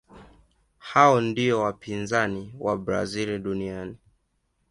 hao ndiyo wapinzani wa brazil duniani